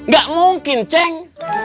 gak mungkin ceng